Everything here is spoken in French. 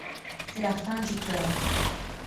C’est la fin du club.